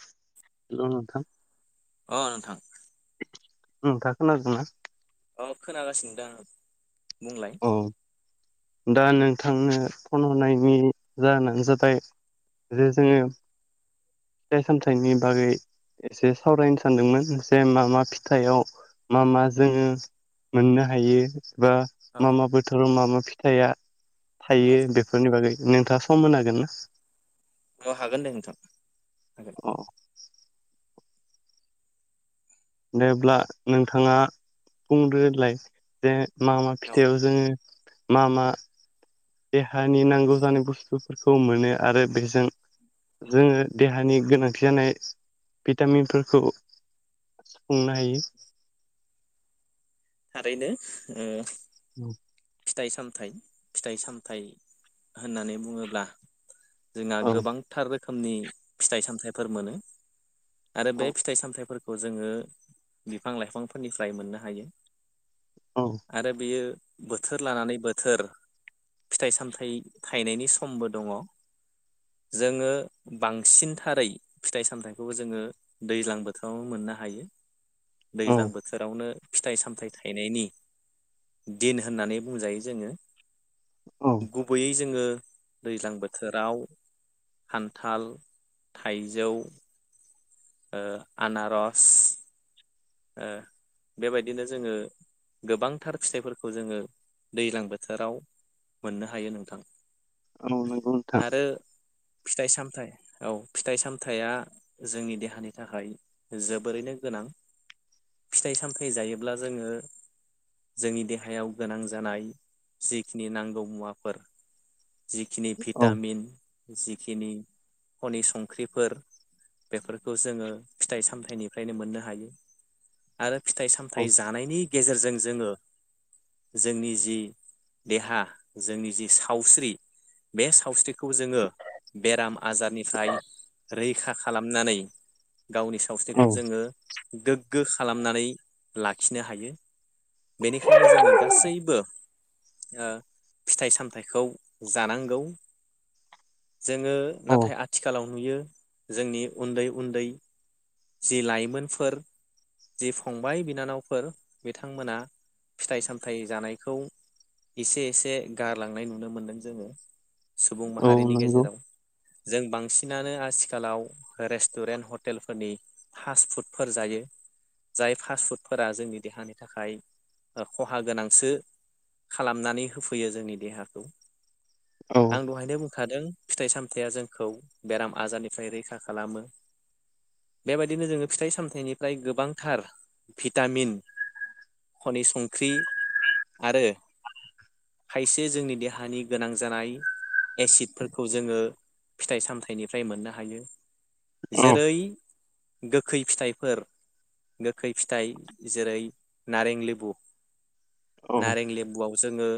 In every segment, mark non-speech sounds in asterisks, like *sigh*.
हेल' नोंथां। अ नोंथां उम नोंथां खोनादोंना औ खोनागासिनो दां आ बुंलाय। औ दा नोंथांनो फन हरनायनि जाहोनानो जाबाय जे जोङो फिथाइ सामथाइनि बागै एसे सावरायनो सानदोंमोन जे मा मा फिथाइयाव मा मा जोङो मोननो हायो एबा। औ मा मा बोथोराव मा मा फिथाइया औ थायो बेफोरनि बागै नोंथाङा सम होनो हागोन ना। औ हागोन दे नोंथां हागोन अ जेब्ला नोंथाङा। बुंग्रोलाय जे मा मा औ फिथाइाव जोङो मा मा। देहानि नांगौ जानाय बुस्थुफोरखौ मोनो आरो बेजों जोङो देहानि गोनांथि जानाय भिटामिनफोरखौ खुंनो हायो। थारैनो औ। फिथाइ सामथाइ फिथाइ सामथाइ होननानै बुङोब्ला जोंहा औ गोबांथार रोखोमनि फिथाइ सामथाइफोर मोनो आरो बे औ फिथाइ सामथाइफोर खौ जोङो बिफां लाइफांफोरनिफ्राय मोननो हायो। औ आरो बियो बोथोर लानानै बोथोर फिथाइ सामथाइ थायनायनि समबो दङ जोङो बांसिनथारै फिथाइ सामथाइखौबो जोङो दैज्लां बोथोरावनो मोन हायो दैज्लां बोथोरावनो फिथाइ सामथाय थाइनायनि दिन होननानै बुंजायो जोङो। औ गुबैयै जोङो दैज्लां बोथोराव खान्थाल थाइजौ। ओ आनारस ओ बेबायदिनो जोङो गोबांथार फिथाइफोरखौ जोङो दैज्लां बोथोराव मोननो हायो नोंथां। औ नंगौ नोंथां। आरो फिथाइ सामथायाइ औ फिथाइ सामथायाइया जोंनि देहानि थाखाय जोबोरैनो गोनां *inaudible* फिथाइ सामथाइ जायोब्ला जोङो। जोंनि देहायाव गोनां जानाय जिखिनि नांगौ मुवाफोर जिखिनि औ भिटामिन जिखिनि खनि संख्रिफोर बेफोरखौ जोङो फिथाइ सामथाइनिफ्रायनो मोननो हायो। आरो फिथाइ सामथाइ औ जानायनि गेजेरजों जोङो जोंनि जि देहा जोंनि जि सावस्रि बे सावस्रिखौ जोङो बेराम आजारनिफ्राय रैखा खालामनानै गावनि सावस्रिखौ औ जोङो गोग्गो खालामनानै लाखिनो हायो। बेनिखायनो जोङो गासैबो ओ फिथाइ सामथाइखौ जानांगौ। जोङो औ नाथाय आथिखालाव नुयो जोंनि उन्दै उन्दै जि लाइमोनफोर जि फंबाय बिनानावफोर बिथांमोना फिथाइ सामथाइ जानायखौ। एसे एसे गारलांनाय नुनो मोनदों जोङो सुबुं औ माहारिनि नंगौ गेजेराव जों बांसिनानो आथिखालाव रेस्टुरेन्ट हटेलफोरनि फास्ट फुडफोर जायो जाय फास्ट फुडफोरा जोंनि देहानि थाखाय ओ खहा गोनांसो खालामनानै होफैयो जोंनि देहाखौ औ आं दहायनो बुं खादों फिथाइ सामथाइया जोंखौ बेराम आजारनिफ्राय रैखा खालामो बेबायदिनो जोङो फिथाइ सामथाइनिफ्राय गोबांथार भिटामिन खनि संख्रि आरो खायसे जोंनि देहानि गोनां जानाय एसिडफोरखौ जोङो फिथाइ सामथाइनिफ्राय मोननो हायो औ जेरै गोखै फिथाइफोर गोखै फिथाइ जेरै नारें लेबु औ नारें लेबुआव जोङो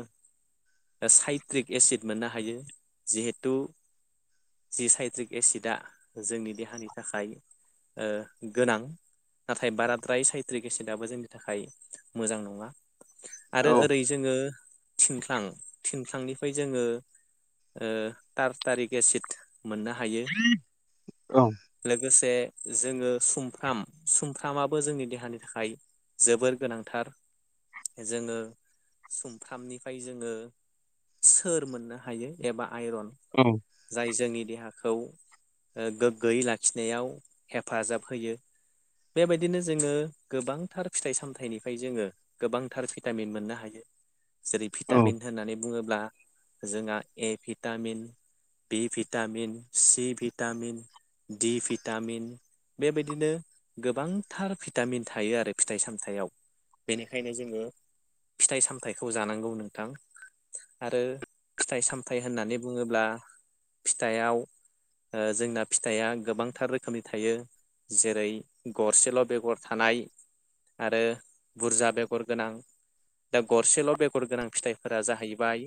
साइट्रिक एसिड मोननो हायो जिहेथु जि साइट्रिक एसिडआ जोंनि देहानि थाखाय ओ गोनां नाथाय बाराद्राय साइट्रिक एसिडआबो जोंनि थाखाय मोजां नङा औ आरो ओरै जोङो थिंख्लां थिं ख्लांनिफ्राय जोङो ओ टारटारिक एसिड मोननो हायो औ लोगोसे जोङो सुमफ्राम सुमफ्रामाबो जोंनि देहानि थाखाय जोबोर गोनांथार जोङो सुमफ्रामनिफ्राय जोङो सोर मोननो हायो एबा आइरन जाय जोंनि देहाखौ ओ गोग्गोयै लाखिनायाव हेफाजाब होयो बेबायदिनो जोङो गोबांथार फिथाइ सामथाइनिफाय जोङो गोबांथार भिटामिन मोननो हायो जेरै भिटामिन होननानै बुङोब्ला जोंहा A vitamin B vitamin C vitamin D vitamin बेबायदिनो गोबांथार भिटामिन थायो आरो फिथाइ सामथायाव बेनिखायनो जोङो फिथाइ सामथायाइखौ जानांगौ नोंथां आरो फिथाइ सामथायाइ होननानै बुङोब्ला फिथायाव ओ जोंना फिथाइया गोबांथार रोखोमनि थायो जेरै गरसेल' बेगर थानाय आरो बुरजा बेगर गोनां दा गरसेल' बेगर गोनां फिथाइफोरा जाहैबाय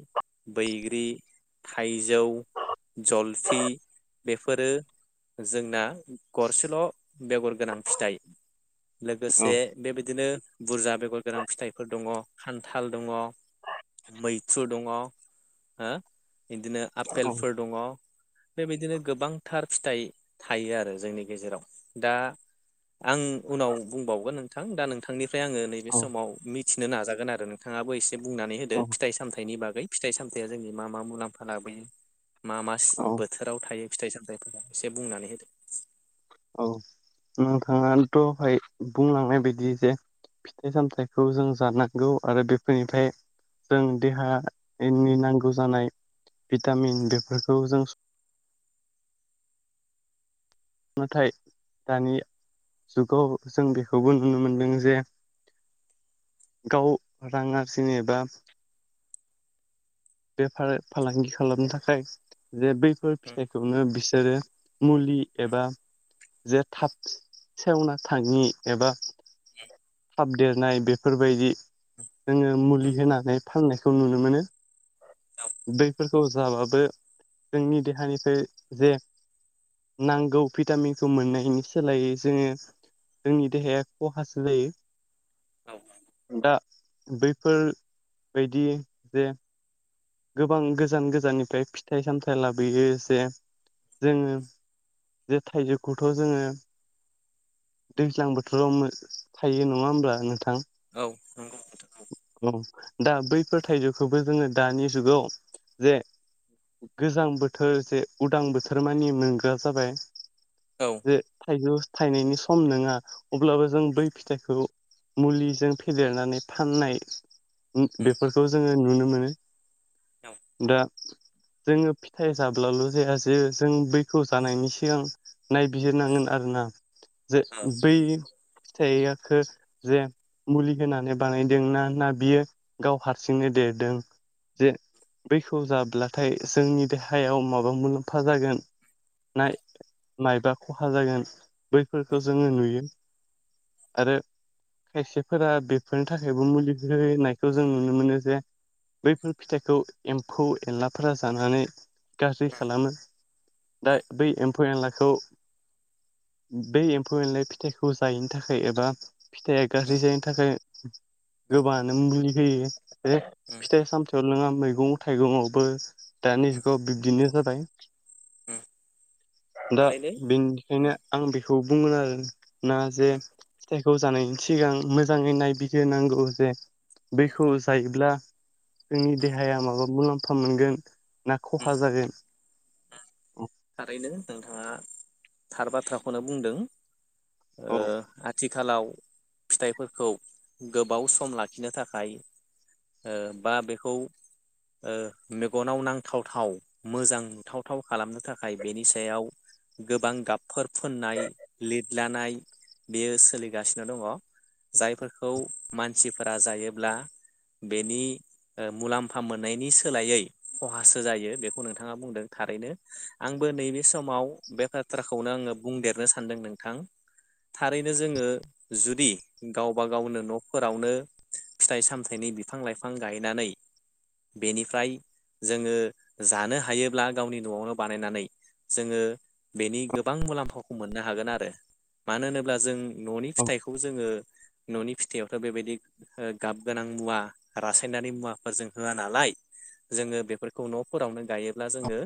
बैग्रि थाइजौ जलफि बेफोरो जोंना गरसेल' बेगर गोनां फिथाइ औ लोगोसे बेबायदिनो बुरजा बेगर गोनां फिथाइफोर दङ खान्थाल दङ मैथ्रु दङ हो बिदिनो आपेलफोर दङ बेबायदिनो गोबांथार फिथाइ थायो आरो जोंनि गेजेराव दा आं उनाव बुंबावगोन नोंथां दा नोंथांनिफ्राय आङो नैबे समाव मि थिनो नाजागोन आरो नोंथाङाबो एसे बुंनानै होदो औ फिथाइ सामथाइनि बागै बै फिथाइ सामथाइया जोंनि मा मा मुलाम्फा लाबोयो मा मा औ बोथोराव थायो फिथाइ सामथाइफोरा एसे बुंनानै होदो औ नोंथाङा दहाय बुंलांनाय बायदि जे फिथाइ सामथाइखौ जों जानांगौ आरो बेफोरनिफाय जों देहानि नांगौ जानाय भिटामिन बेफोरखौ जों नाथाय दानि जुगाव जों बेखौबो नुनो मोनदों जे गाव रां आरजिनो एबा बेफार फालांगि खालामनो थाखाय जे बैफोर फिथाइखौनो बिसोरो मुलि एबा जे थाब सेवना थाङि एबा थाब देरनाय बेफोरबायदि जोङो मुलि होनानै फाननायखौ नुनो मोनो बैफोरखौ जाबाबो जोंनि देहानिफ्राय जे नांगौ भिटामिनखौ मोननायनि सोलायै जोङो जोंनि देहाया खहासो औ जायो दा बैफोरबायदि जे गोबां गोजान गोजाननिफ्राय फिथाइ सामथाइ लाबोयो जे जोङो जे थाइजौखौथ' जोङो दैज्लां बोथोराव थायो नङा होमब्ला नों थां औ नंगौ नोंथां औ दा बैफोर थाइजौखौबो जोङो दानि जुगाव जे गोजां बोथोर जे उदां बोथोर मानि मोनग्रा जाबाय औ जे थाइजौ थाइनायनि सम नोङा अब्लाबो जों बै फिथाइखौ मुलिजों फेदेरनानै फाननाय बेफोरखौ जोङो नुनो मोनो दा जोङो फिथाइ जाब्लाल' जाया जे जों बैखौ जानायनि सिगां नायबिजिर नांगोन आरोना जे औ बै फिथाइखो जे मुलि होनानै बानायदोंना ना बियो गाव हारसिंनो देरदों जे बैखौ जाब्लाथाय जोंनि देहायाव माबा मुलाम्फा जागोन नाय मायबा खहा जागोन बैफोरखौ जोङो नुयो आरो खायसेफोरा बेफोरनि थाखायबो मुलि होनायखौ जों नुनो मोनो जे बैफोर फिथाइखौ एम्फौ एनलाफोरा जानानै गाज्रि खालामो दा बै एम्फौ एनलाखौ बे एम्फौ एनलाय फिथाइखौ जायैनि थाखाय एबा फिथाइया गाज्रि जायैनि थाखाय गोबानो मुलि होयो फिथाइ सामथायाइाव नङा मैगं थाइगंआवबो दानि जुगाव बिब्दिनो जाबाय *inaudible* दा थारैनो बेनिखायनो आं बेखौ बुंगोन आरोना जे फिथाइखौ जानायनि सिगां मोजाङै नायबिग्रोनांगौ जे बैखौ जायोब्ला जोंनि देहाया माबा मुलाम्फा मोनगोन ना खहा जागोन औ थारैनो नोंथाङा थार बाथ्राखौनो बुंदों ओ औ आथि खालाव फिथाइफोरखौ गोबाव सम लाखिनो थाखाय ओ बा बेखौ मेगनाव नांथावथाव मोजां नुथावथाव खालामनो थाखाय बेनि सायाव गोबां गाबफोर फोननाय लिरलानाय बेयो सोलिगासिनो दङ जायफोरखौ मानसिफोरा जायोब्ला बेनि मुलाम्फा मोननायनि सोलायै खहासो जायो बेखौ नोंथाङा बुंदों थारैनो आंबो नैबे समाव बे बाथ्राखौनो आङो बुंदेरनो सानदों नोंथां थारैनो जोङो जुदि गावबा गावनो न'फोरावनो फिथाइ सामथायाइनि बिफां लाइफां गायनानै बेनिफ्राय जोङो जानो हायोब्ला गावनि न'आवनो बानायनानै जोङो बेनि गोबां मुलाम्फाखौ मोननो हागोन आरो मानो होनोब्ला जों न'नि औ फिथाइखौ जोङो न'नि फिथाइावथ' बेबायदि गाब गोनां मुवा रासायनारि मुवाफोरजों होआ नालाय जोङो बेफोरखौ न'फोरावनो गायोब्ला जोङो